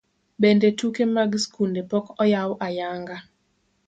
Bende tuke mag skunde pok oyaw ayanga.